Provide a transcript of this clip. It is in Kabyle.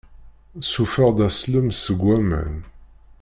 Ssufeɣ-d aslem seg waman!